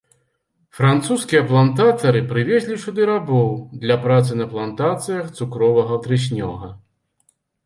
Французскія плантатары прывезлі сюды рабоў, для працы на плантацыях цукровага трыснёга.